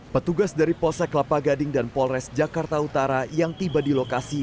petugas dari polsek kelapa gading dan polres jakarta utara yang tiba di lokasi